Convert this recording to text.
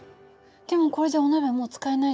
でもこれじゃお鍋がもう使えないじゃない。